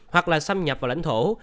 hoặc là xâm nhập vào lãnh thổ